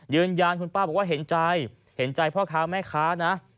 ยืนยันคุณป้าบอกว่าเห็นใจเห็นใจพ่อค้าแม่ค้านะ